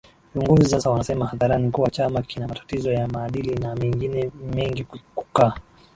viongozi sasa wanasema hadharani kuwa chama kina matatizo ya maadili na mengine mengiKukaa